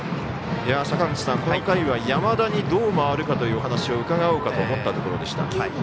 坂口さん、この回は山田にどう回るかというお話を伺おうかと思ったところでした。